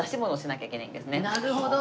なるほど。